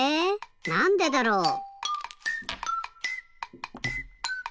なんでだろう。